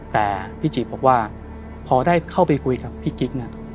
แต่พี่จีบบอกว่าพอได้เข้าไปคุยกับพี่กิ๊กเนี่ย